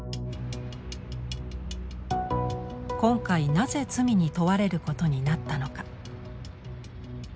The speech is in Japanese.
今回なぜ罪に問われることになったのか。